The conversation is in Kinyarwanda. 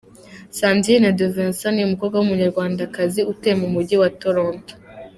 Sandrine De Vincent ni Umukobwa w’Umunyarwandakazi utuye mu Mujyi wa Toronto.